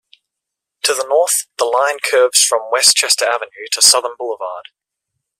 To the north, the line curves from Westchester Avenue to Southern Boulevard.